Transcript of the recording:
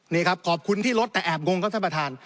นี่ครับขอบคุณที่รถแต่แอบงงครับท่านประธาน